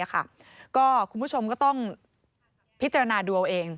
คุณผู้ชมก็ต้องพิจารณาดูเอาเอง